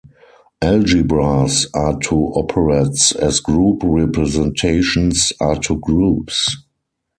Algebras are to operads as group representations are to groups.